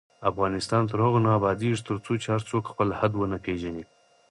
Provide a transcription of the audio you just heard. افغانستان تر هغو نه ابادیږي، ترڅو هر څوک خپل حد ونه پیژني.